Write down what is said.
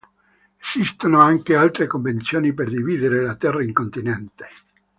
Esistono anche altre convenzioni per dividere la Terra in continenti.